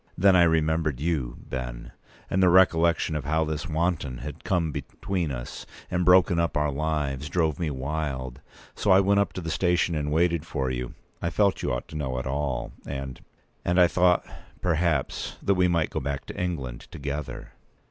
Then I remembered you, Ben; and the recollection of how this wanton had come between us and broken up our lives drove me wild. So I went up to the station and waited for you. I felt you ought to know it all; and—and I thought, perhaps, that we might go back to England together."